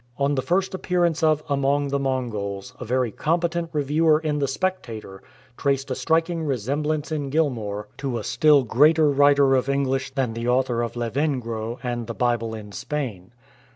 On the first appearance of Among the Mongols a very competent reviewer in the Spectatoi' traced a striking resemblance in Gilmour to a 30 ROBINSON CRUSOE still greater writer of English than the author of Lavengro and The Bible in Spain.